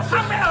biarin el tau